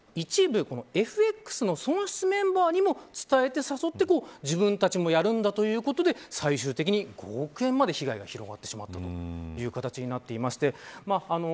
一部、ＦＸの損失メンバーにも伝えて誘って、自分たちもやるんだということで最終的に５億円まで被害が広がってしまったという形になっていまして。